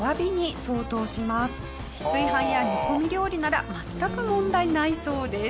炊飯や煮込み料理なら全く問題ないそうです。